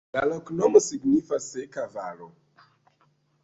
La loknomo signifas: seka valo.